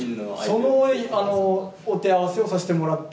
そのお手合わせをさせてもらって。